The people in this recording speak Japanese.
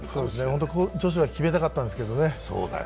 本当に女子は決めたかったんですけどね。